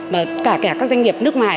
và cả các doanh nghiệp nước ngoài